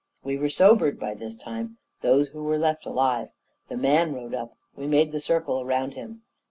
We were sobered by this time those who were left alive. The MAN rode up; we made the circle round him.